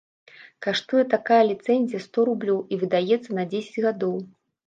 Каштуе такая ліцэнзія сто рублёў і выдаецца на дзесяць гадоў.